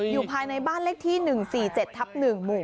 อยู่ภายในบ้านเลขที่๑๔๗ทับ๑หมู่